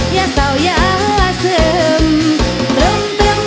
ยาเศร้ายาเสิม